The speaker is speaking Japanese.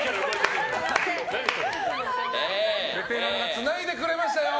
ベテランがつないでくれましたよ。